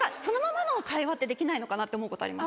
そのままの会話ってできないのかなって思うこと。